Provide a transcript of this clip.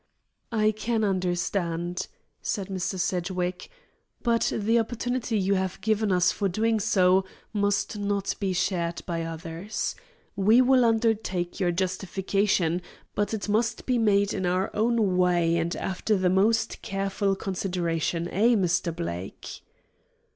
"I can understand," said Mr. Sedgwick; "but the opportunity you have given us for doing so must not be shared by others. We will undertake your justification, but it must be made in our own way and after the most careful consideration; eh, Mr. Blake?"